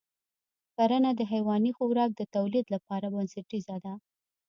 کرنه د حیواني خوراک د تولید لپاره بنسټیزه ده.